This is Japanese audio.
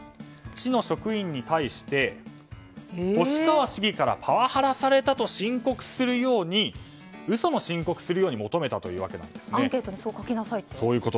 市の職員に対して越川市議からパワハラされたと嘘の申告をするように求めたというわけです。